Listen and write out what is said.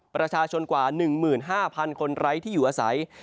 ประชาชนกว่า๑๕๐๐คนไร้ที่อยู่อาศัย